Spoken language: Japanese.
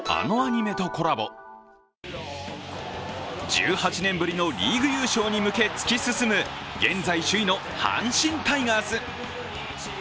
１８年ぶりのリーグ優勝に向け突き進む現在、首位の阪神タイガース。